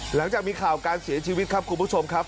หลังจากมีข่าวการเสียชีวิตครับคุณผู้ชมครับ